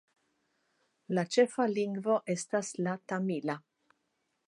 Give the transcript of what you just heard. La ĉefa lingvo estas la tamila.